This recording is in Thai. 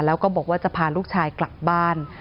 แล้วก็บอกว่าจะพาลูกชายกลับบ้าน